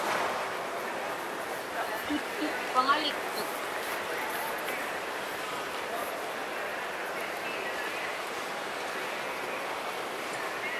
Tuttuk paŋaliktuk.